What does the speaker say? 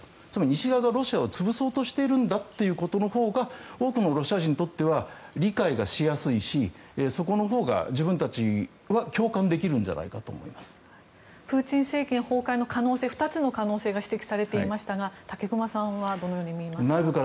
西側がロシアを潰そうとしているんだということのほうが多くのロシア人にとっては理解がしやすいしそこのほうが自分たちは共感できるんじゃないかとプーチン政権崩壊の可能性２つの可能性が指摘されていましたが武隈さんはどのように見ますか？